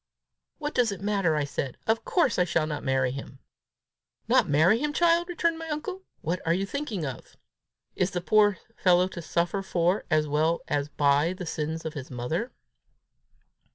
"What does it matter?" I said. "Of course I shall not marry him!" "Not marry him, child!" returned my uncle. "What are you thinking of? Is the poor fellow to suffer for, as well as by the sins of his mother?"